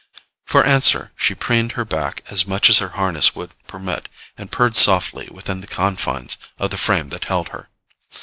For answer, she preened her back as much as her harness would permit and purred softly within the confines of the frame that held her.